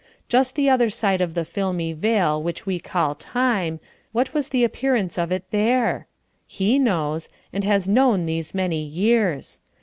Just the other side of the filmy veil which we call "Time," what was the appearance of it there? He knows, and has known these many years.